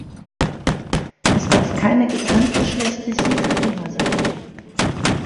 Es darf keine getrenntgeschlechtigen Krankenhäuser geben.